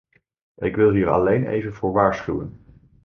Ik wil hier alleen even voor waarschuwen.